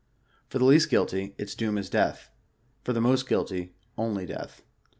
For the least guilty, its 117 doom is death; for the most guihy, only death.